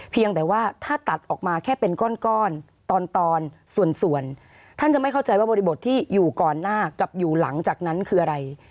เพียงแต่ว่าถ้าตัดออกมาแค่เป็นก้อนตอนส่วนท่านจะไม่เข้าใจว่าบริบทที่อยู่ก่อนหน้ากับอยู่หลังจากนั้นคืออะไร